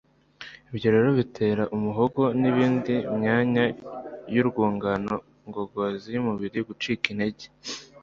ibyo rero bitera umuhogo n'indi myanya y'urwungano ngogozi y'umubiri gucika intege